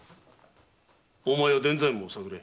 大前屋伝左衛門を探れ。